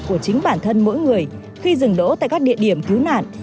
của chính bản thân mỗi người khi dừng đỗ tại các địa điểm cứu nạn